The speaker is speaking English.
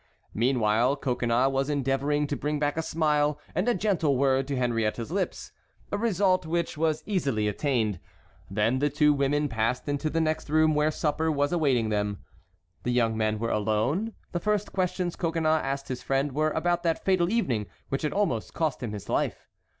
Meanwhile Coconnas was endeavoring to bring back a smile and a gentle word to Henriette's lips, a result which was easily attained. Then the two women passed into the next room, where supper was awaiting them. The young men were alone. The first questions Coconnas asked his friend were about that fatal evening which had almost cost him his life.